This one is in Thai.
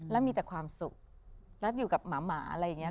แล้วมีแต่ความสุขแล้วอยู่กับหมาอะไรอย่างนี้